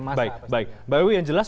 kepadanya baik baik mbak bawi yang jelas